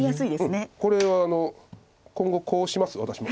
これは今後こうします私も。